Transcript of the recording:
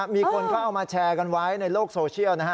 มีคนเขาเอามาแชร์กันไว้ในโลกโซเชียลนะฮะ